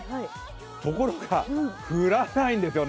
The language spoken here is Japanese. ところが、降らないんですよね。